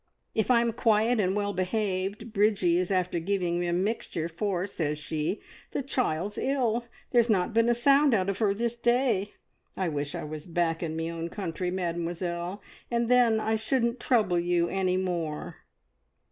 If I'm quiet and well behaved, Bridgie is after giving me a mixture, for, says she, `The choild's ill; there's not been a sound out of her this day!' I wish I was back in me own country, Mademoiselle, and then I shouldn't trouble you any more!"